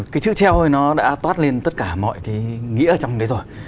cái chữ treo nó đã toát lên tất cả mọi nghĩa trong đấy rồi